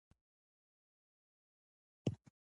په مغز په ساقه کې مستطیله نخاع واقع ده.